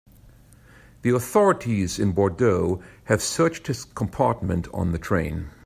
The authorities in Bordeaux have searched his compartment on the train.